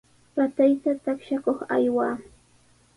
Ratayta taqshakuq aywaa.